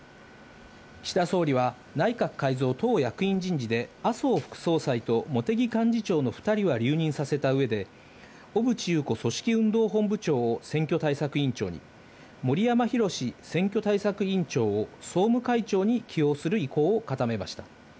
岸田総理は内閣改造・党役員人事で麻生副総裁と茂木幹事長の２人は留任させたうえで、小渕優子組織運動本部長を選挙対策委員長に、森山裕選挙対策委員長を総務会長に起用する意向を固めました。